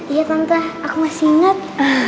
iya tante aku masih inget